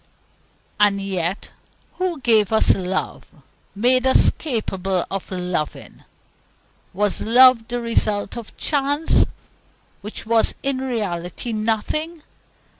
And yet who gave us love made us capable of loving? Was love the result of chance, which was in reality nothing?